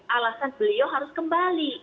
alasan beliau harus kembali